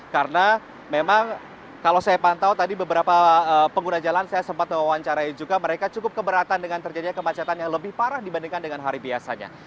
karena memang kalau saya pantau tadi beberapa pengguna jalan saya sempat mewawancarai juga mereka cukup keberatan dengan terjadinya kemacetan yang lebih parah dibandingkan dengan hari biasanya